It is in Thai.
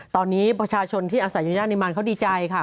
ตอนนี้ประชาชนที่ใส่ในย่างนิมมาลเขาดีใจนะคะ